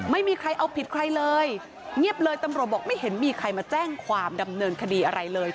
ไม่มีใครเอาผิดใครเลยเงียบเลยตำรวจบอกไม่เห็นมีใครมาแจ้งความดำเนินคดีอะไรเลย